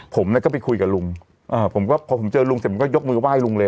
ผมก็ไปคุยกับลุงพอผมเจอลุงเสร็จมันก็ยกมือไหว้ลุงเลย